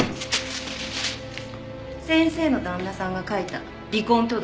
先生の旦那さんが書いた離婚届よ。